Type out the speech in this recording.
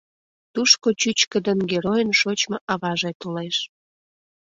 Тушко чӱчкыдын геройын шочмо аваже толеш.